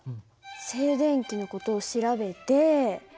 静電気の事を調べて。